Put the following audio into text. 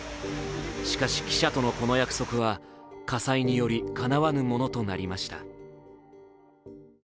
しかし、記者とのこの約束は火災により、かなわぬものとなりました。